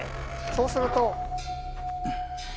そうすると。